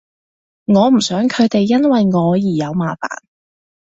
我唔想佢哋因為我而有麻煩